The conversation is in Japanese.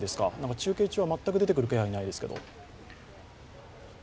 中継中は全く出てくる気配ないですけど。